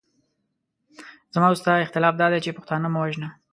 زما او ستا اختلاف دادی چې پښتانه مه وژنه.